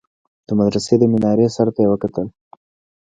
د مدرسې د مينارې سر ته يې وكتل.